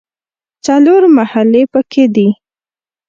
څلور محلې په کې دي.